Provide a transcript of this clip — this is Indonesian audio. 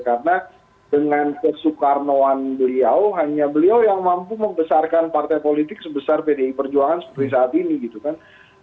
karena dengan kesukarnoan beliau hanya beliau yang mampu membesarkan partai politik sebesar pdi perjuangan seperti saat ini gitu kan